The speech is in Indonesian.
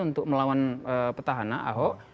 untuk melawan petahana ahok